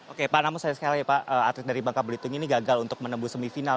oke pak namun sayang sekali pak atlet dari bangka belitung ini gagal untuk menembus semifinal